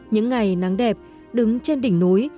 những ngày nắng đẹp đứng trên đỉnh núi